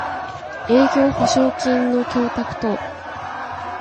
営業保証金の供託等